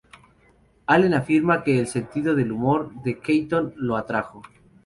Allen afirma que el sentido del humor de Keaton lo atrajo.